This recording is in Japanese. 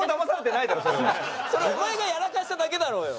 お前がやらかしただけだろうよ。